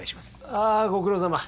ああご苦労さま。